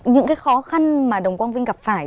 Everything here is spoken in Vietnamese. những cái khó khăn mà đồng quang vinh gặp phải